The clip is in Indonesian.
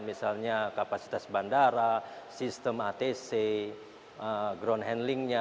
misalnya kapasitas bandara sistem atc ground handlingnya